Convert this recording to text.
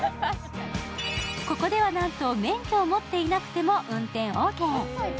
ここでは、なんと免許を持っていなくても運転オーケー。